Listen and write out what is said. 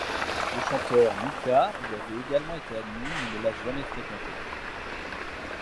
Le chanteur Mika y avait également été admis mais ne l'a jamais fréquentée.